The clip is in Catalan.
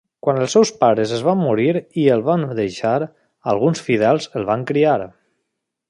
Quan els seus pares es van morir i el van deixar, alguns fidels el van criar.